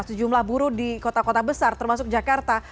sejumlah buruh di kota kota besar termasuk jakarta